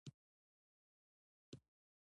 قاتل یو انساني بدن نه، یو ټولنه وژني